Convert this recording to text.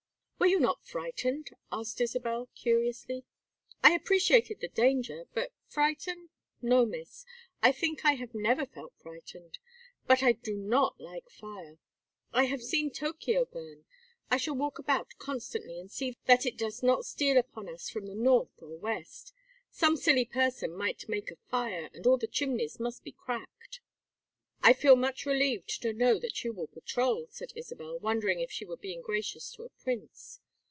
"Were you not frightened?" asked Isabel, curiously. "I appreciated the danger, but frightened no, miss, I think I have never felt frightened. But I do not like fire. I have seen Tokio burn. I shall walk about constantly and see that it does not steal upon us from the north or west. Some silly person might make a fire, and all the chimneys must be cracked." "I feel much relieved to know that you will patrol," said Isabel, wondering if she were being gracious to a prince.